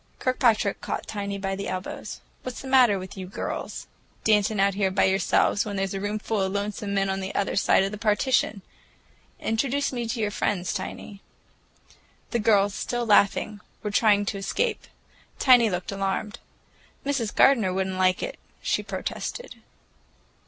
Kirkpatrick caught Tiny by the elbows. "What's the matter with you girls? Dancing out here by yourselves, when there's a roomful of lonesome men on the other side of the partition! Introduce me to your friends, Tiny." The girls, still laughing, were trying to escape. Tiny looked alarmed. "Mrs. Gardener would n't like it," she protested.